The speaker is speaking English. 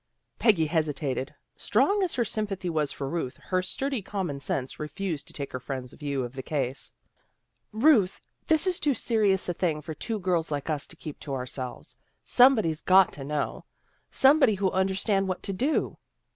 Peggy hesitated. Strong as her sympathy was for Ruth, her sturdy common sense refused to take her friend's view of the case. " Ruth, this is too serious a thing for two girls like us to keep to ourselves. Somebody's got to know, somebody who'll understand what to do."